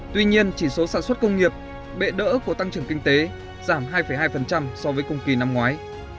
tuy nhiên chỉ số sản xuất công nghiệp bệ đỡ của tăng trưởng kinh tế giảm hai hai so với cùng kỳ năm ngoái